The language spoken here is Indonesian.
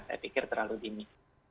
saya pikir terlalu dini